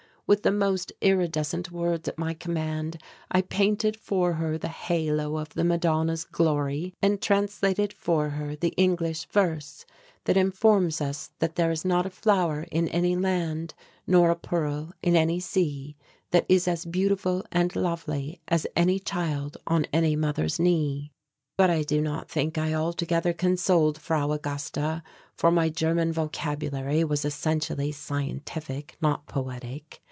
With the most iridescent words at my command I painted for her the halo of the madonna's glory, and translated for her the English verse that informs us that there is not a flower in any land, nor a pearl in any sea, that is as beautiful and lovely as any child on any mother's knee. But I do not think I altogether consoled Frau Augusta for my German vocabulary was essentially scientific, not poetic.